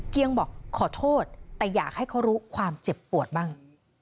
บอกขอโทษแต่อยากให้เขารู้ความเจ็บปวดบ้าง